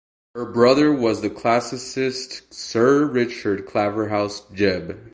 Her brother was the classicist Sir Richard Claverhouse Jebb.